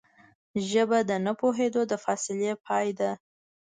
ژبه د نه پوهېدو د فاصلې پای ده